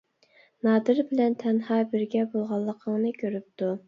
نادىر بىلەن تەنھا بىرگە بولغانلىقىڭنى كۆرۈپتۇ.